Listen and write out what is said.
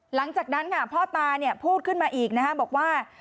หลังจากนั้นพ่อตาพูดขึ้นมาอีกบอกว่า